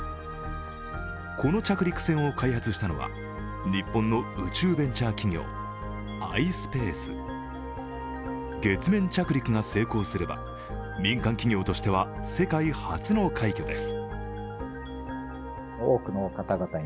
この着陸船を開発したのは日本の宇宙ベンチャー企業、ｉｓｐａｃｅ月面着陸が成功すれば、民間企業としては世界初の快挙です。